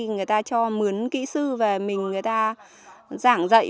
người ta cho muốn kỹ sư về mình người ta giảng dạy